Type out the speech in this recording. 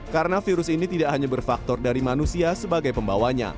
karena virus ini tidak hanya berfaktor dari manusia sebagai pembawanya